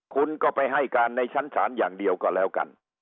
คุณก็ไปให้การในชั้นศาลอย่างเดียวก็แล้วกัน